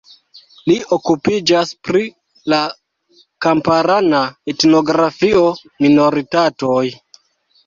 Li okupiĝas pri la kamparana etnografio, minoritatoj.